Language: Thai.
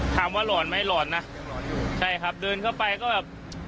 ถามว่าหลอนไหมหลอนนะใช่ครับเดินเข้าไปก็แบบ